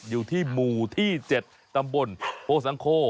อยู่ที่หมู่ที่๗ตำบลโพสังโค